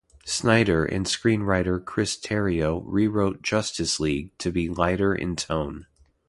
Snyder and screenwriter Chris Terrio rewrote "Justice League" to be lighter in tone.